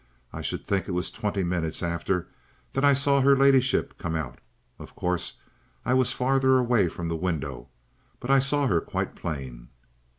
I should think it was twenty minutes arter that I saw 'er ladyship come out. Of course, I was farther away from the window, but I saw 'er quite plain."